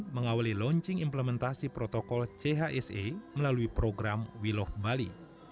mengawali launching implementasi protokol chse melalui program wiloh bali